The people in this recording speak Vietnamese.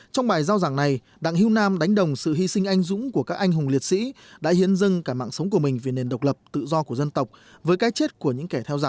trong bài giao giảng này đặng hữu nam đánh đồng sự hy sinh anh dũng của các anh hùng liệt sĩ đã hiến dâng cả mạng sống của mình vì nền độc lập tự do của dân tộc với cái chết của những kẻ theo giả